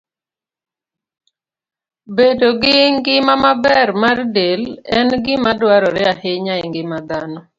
Bedo gi ngima maber mar del en gima dwarore ahinya e ngima dhano.